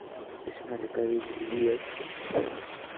La zona es rica en viñas y produce vino.